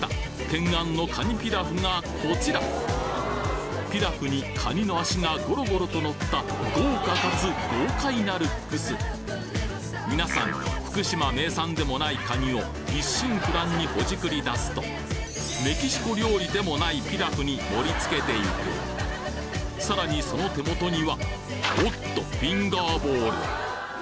懸案のカニピラフがこちらピラフにカニの足がゴロゴロとのった豪華かつ豪快なルックス皆さん福島名産でもないカニを一心不乱にほじくり出すとメキシコ料理でもないピラフに盛り付けていくさらにその手元にはおっとああ